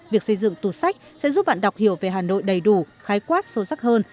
việc xây dựng tủ sách sẽ giúp bạn đọc hiểu về hà nội đầy đủ khái quát sâu sắc hơn